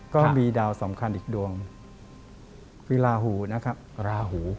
ก็มีดาวสำคัญอีกดวงคือลาหู